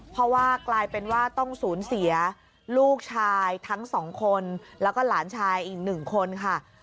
เพราะว่ากลายเป็นว่าต้องสูญเสียลูกชายทั้งสองคนแล้วก็หลานชายอีกหนึ่งคนค่ะ